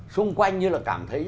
xung quanh như là cảm thấy